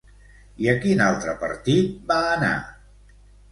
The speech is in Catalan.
I a quin altre partit va anar?